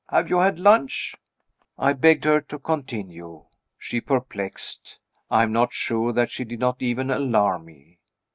Have you had lunch?" I begged her to continue. She perplexed I am not sure that she did not even alarm me.